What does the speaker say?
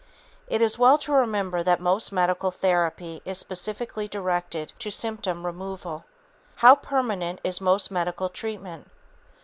It is well to remember that most medical therapy is specifically directed to symptom removal. How permanent is most medical treatment?